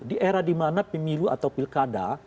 di era dimana pemilu atau pilkada